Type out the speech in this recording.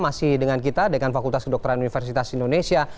masih dengan kita dengan fakultas kedokteran universitas indonesia